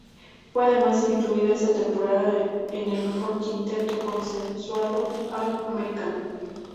Fue además incluido esa temporada en el mejor quinteto consensuado All-American.